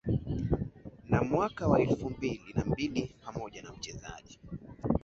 Na mwaka wa elfu mbili na mbili pamoja na mchezaji